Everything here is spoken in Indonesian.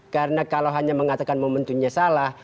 karena kalau hanya mengatakan momentumnya salah